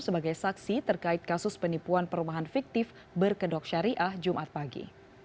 sebagai saksi terkait kasus penipuan perumahan fiktif berkedok syariah jumat pagi